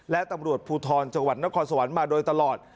และตำรวจภูทรจังหวัดนครสวรรค์มาโดยตลอด